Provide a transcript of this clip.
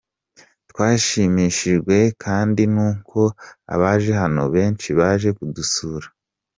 Twashimishijwe kandi n’uko abaje hano benshi baje kudusura.